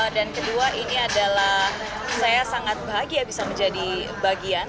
dan kedua ini adalah saya sangat bahagia bisa menjadi bagian